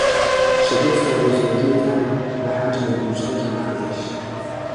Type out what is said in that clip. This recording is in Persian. شگفتا بزرگی تن و حجم کوچک مغزش